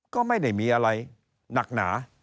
ก็ไม่ได้มีอะไรหนักหนา